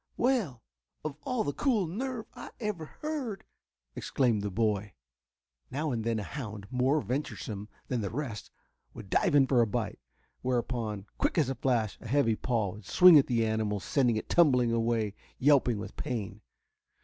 "Well, of all the cool nerve I ever heard!" exclaimed the boy. Now and then a hound, more venturesome than the rest, would dive in for a bite, whereupon, quick as a flash, a heavy paw would swing on the animal, sending it tumbling away yelping with pain.